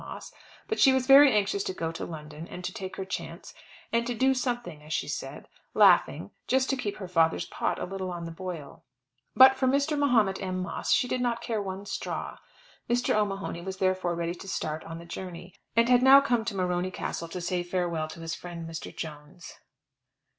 Moss; but she was very anxious to go to London and to take her chance, and to do something, as she said, laughing, just to keep her father's pot a little on the boil; but for Mr. Mahomet M. Moss she did not care one straw. Mr. O'Mahony was therefore ready to start on the journey, and had now come to Morony Castle to say farewell to his friend Mr. Jones.